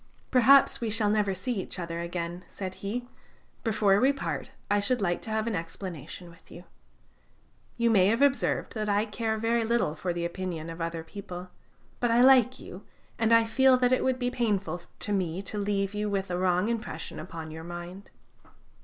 "Perhaps we shall never see each other again," said he; "before we part, I should like to have an explanation with you. You may have observed that I care very little for the opinion of other people, but I like you, and I feel that it would be painful to me to leave you with a wrong impression upon your mind."